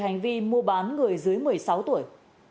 hành vi mua bán người dưới một mươi sáu tuổi